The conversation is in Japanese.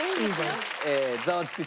ザワつく！